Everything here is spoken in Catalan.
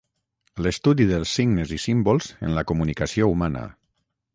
l'estudi dels signes i símbols en la comunicació humana